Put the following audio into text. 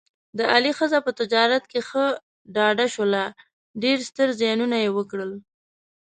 د علي ښځه په تجارت کې ښه ډډه شوله، ډېر ستر زیانونه یې وکړل.